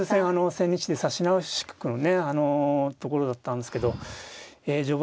千日手指し直し局のねあのところだったんですけど序盤